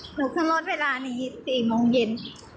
ขับรถเวลานี้๔โมงเย็น